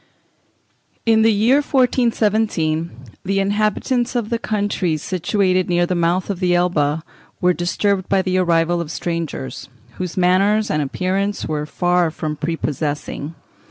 In the year 1417 the inhabitants of the countries situated near the mouth of the Elbe were disturbed by the arrival of strangers, whose manners and appearance were far from pre possessing.